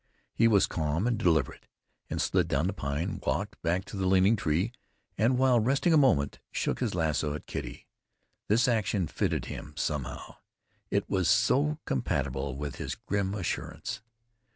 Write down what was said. He was calm and deliberate, and slid down the pine, walked back to the leaning tree, and while resting a moment, shook his lasso at Kitty. This action fitted him, somehow; it was so compatible with his grim assurance.